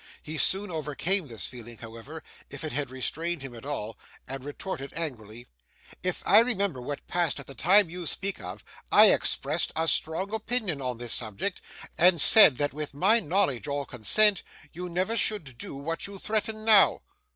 He soon overcame this feeling, however, if it had restrained him at all, and retorted angrily: 'If I remember what passed at the time you speak of, I expressed a strong opinion on this subject, and said that, with my knowledge or consent, you never should do what you threaten now.